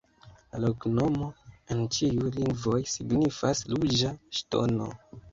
La loknomo en ĉiuj lingvoj signifas: ruĝa ŝtono.